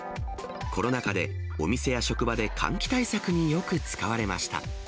コロナ禍で、お店や職場で換気対策によく使われました。